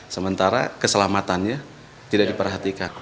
sementara keselamatannya tidak diperhatikan